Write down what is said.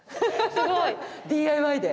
すごいＤＩＹで！？